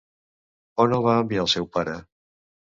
On el va enviar el seu pare?